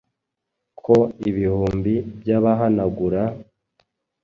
Ko ibihumbi by'abahanagura,